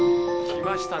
来ました。